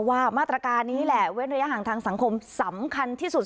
ว่ามาตรการนี้แหละเว้นระยะห่างทางสังคมสำคัญที่สุด